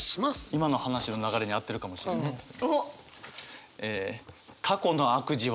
今の話の流れに合ってるかもしれないです。